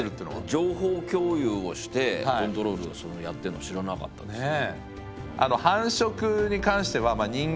情報共有をしてコントロールをやってるのは知らなかったですね。